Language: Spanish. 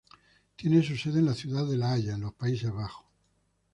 Tiene su sede en la ciudad de La Haya, en los Países Bajos.